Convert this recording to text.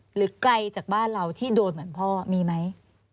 ไกลจากบ้านเราที่โดนเหมือนพ่อมีไหม